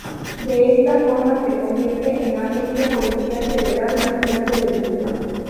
De esta forma se convierte en la agencia policial federal más grande del mundo.